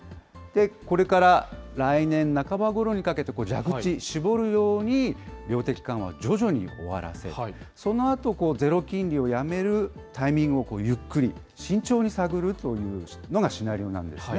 これから来年半ばごろにかけて、蛇口しぼるように量的緩和を徐々に終わらせ、そのあとゼロ金利をやめるタイミングをゆっくり、慎重に探るというのがシナリオなんですね。